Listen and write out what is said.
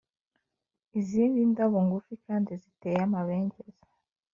izindi ndabo ngufi kandi ziteye amabengeza.